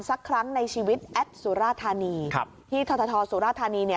สักครั้งในชีวิตแอดสุรธานีที่ทศสุรธานี